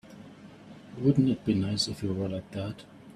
Wouldn't it be nice if we were like that?